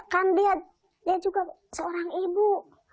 kan dia juga seorang ibu